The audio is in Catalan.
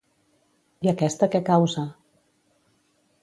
I aquesta què causa?